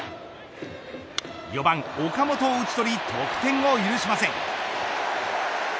４番、岡本を打ちとり得点を許しません。